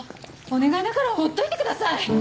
お願いだからほっといてください！